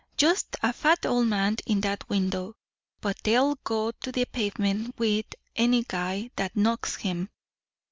Just a fat old man in that window, but they'll go to the pavement with any guy that knocks him.